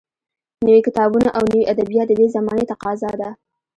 نوي کتابونه او نوي ادبیات د دې زمانې تقاضا ده